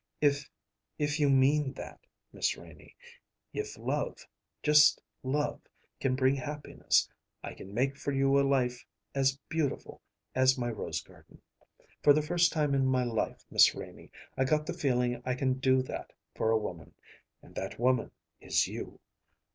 "If if you mean that, Miss Renie if love, just love, can bring happiness, I can make for you a life as beautiful as my rose garden. For the first time in my life, Miss Renie, I got the feeling I can do that for a woman and that woman is you.